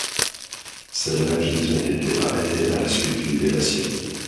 C'est là qu'ils ont été arrêtés à la suite d'une délation.